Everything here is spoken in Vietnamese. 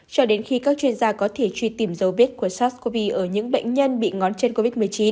cho đến khi các chuyên gia có thể truy tìm dấu vết của sars cov hai ở những bệnh nhân bị ngón chân covid một mươi chín